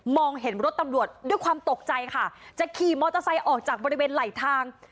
เห็นรถตำรวจด้วยความตกใจค่ะจะขี่มอเตอร์ไซค์ออกจากบริเวณไหลทาง